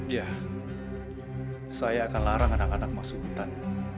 ya saya akan larang anak anak masuk hutan